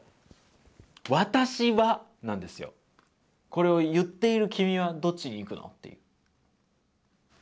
なのでこれを言っている君はどっちに行くのっていう。